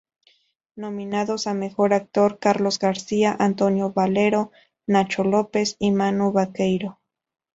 Nominados a mejor actor: Carlos García, Antonio Valero, Nacho López y Manu Baqueiro.